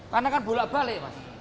karena kan bulat balik mas